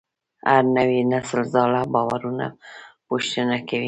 هر نوی نسل زاړه باورونه پوښتنه کوي.